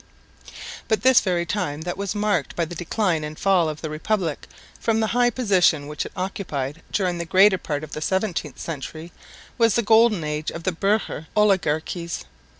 But this very time that was marked by the decline and fall of the Republic from the high position which it occupied during the greater part of the 17th century, was the golden age of the burgher oligarchies.